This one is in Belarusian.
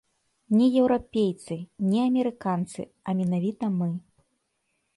Не еўрапейцы, не амерыканцы, а менавіта мы.